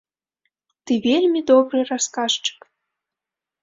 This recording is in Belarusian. Ты вельмі добры расказчык!